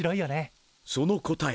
・その答え